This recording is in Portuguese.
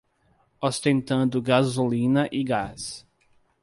Ostentando gasolina e gás